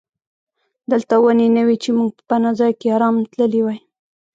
دلته ونې نه وې چې موږ په پناه ځای کې آرام تللي وای.